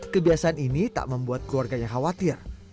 kebiasaan ini tak membuat keluarganya khawatir